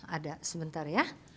ada sebentar ya